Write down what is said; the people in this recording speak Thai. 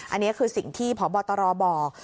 อันนี้คือสิ่งที่พบตรบอก